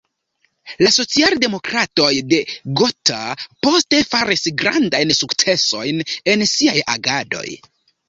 La socialdemokratoj de Gotha poste faris grandajn sukcesojn en siaj agadoj.